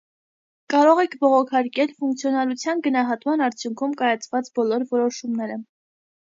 Կարող եք բողոքարկել ֆունկցիոնալության գնահատման արդյունքում կայացված բոլոր որոշումները։